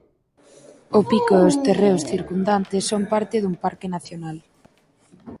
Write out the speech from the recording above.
O pico e os terreos circundantes son parte dun parque nacional.